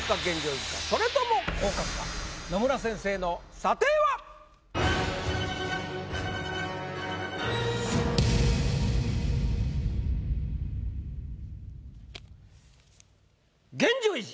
それとも野村先生の査定は⁉現状維持！